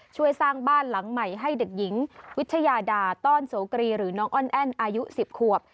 ช่วยสร้างบ้านหลังใหม่ให้เด็กหญิงวิทยาดาต้อนโสกรีหรือน้องอ้อนแอ้นอายุ๑๐ขวบ